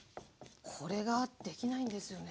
これができないんですよね。